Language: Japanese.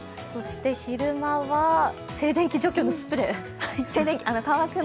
そして、昼間は静電気除去のスプレー。